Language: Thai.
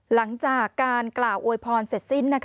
หลังจากการกล่าวอวยพรเสร็จสิ้น